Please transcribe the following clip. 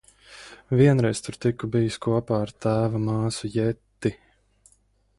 Vienreiz tur tiku bijis kopā ar tēva māsu Jetti.